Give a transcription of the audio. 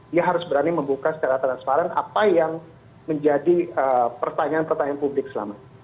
dia harus berani membuka secara transparan apa yang menjadi pertanyaan pertanyaan publik selama ini